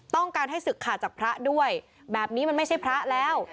ต้องการให้ศึกขาดจากพระด้วยแบบนี้มันไม่ใช่พระแล้ว